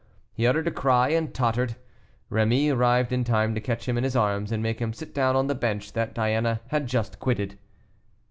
He uttered a cry and tottered; Rémy arrived in time to catch him in his arms and make him sit down on the bench that Diana had just quitted.